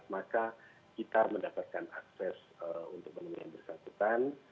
maka kita mendapatkan akses untuk menemui yang bersangkutan